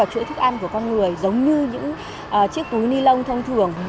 ra môi trường